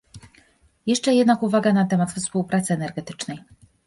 Jeszcze jednak uwaga na temat współpracy energetycznej